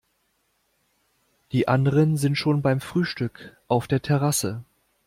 Die anderen sind schon beim Frühstück auf der Terrasse.